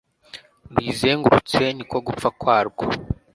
ruyizengurutse ni ko gupfa kwarwo